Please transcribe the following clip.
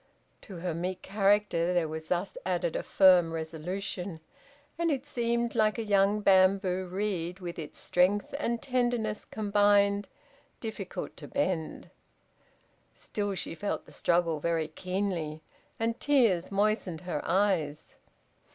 To her meek character there was thus added a firm resolution, and it seemed like a young bamboo reed with its strength and tenderness combined, difficult to bend! Still she felt the struggle very keenly, and tears moistened her eyes.